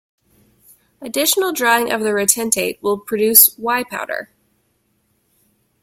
Additional drying of the retentate will produce whey powder.